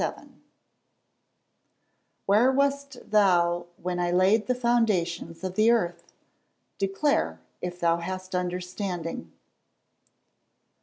[Verse: "Where wast thou when I laid the foundations of the earth? declare, if thou hast understanding."